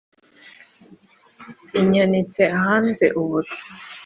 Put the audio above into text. inyanitse ahanze uburo